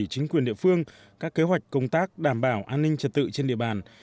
chính quyền địa phương các kế hoạch công tác đảm bảo an ninh trật tự trên địa bàn